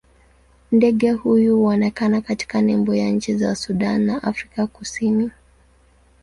Ndege huyu huonekana katika nembo ya nchi za Sudan na Afrika Kusini.